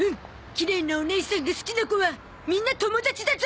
きれいなおねいさんが好きな子はみんな友達だゾ！